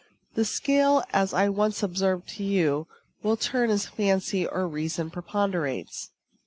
The scale, as I once observed to you, will turn as fancy or reason preponderates.